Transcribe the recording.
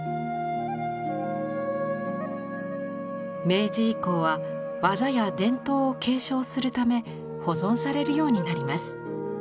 明治以降は技や伝統を継承するため保存されるようになります。